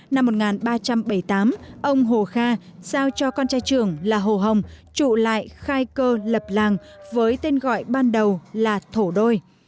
năm một nghìn ba trăm bảy mươi tám ông hồ kha giao cho con trai trưởng là hồ hồng trụ lại khai cơ lập làng với tên gọi ban đầu là thổ đôi